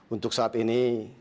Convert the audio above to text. untuk saat ini